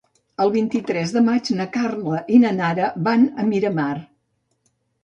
El vint-i-tres de maig na Carla i na Nara van a Miramar.